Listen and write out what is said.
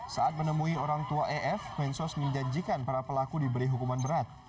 saat menemui orang tua ef mensos menjanjikan para pelaku diberi hukuman berat